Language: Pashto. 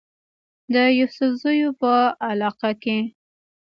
د يوسفزو پۀ علاقه کې